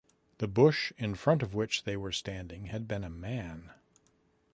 The bush in front of which they were standing had been a man.